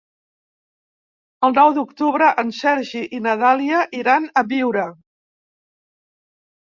El nou d'octubre en Sergi i na Dàlia iran a Biure.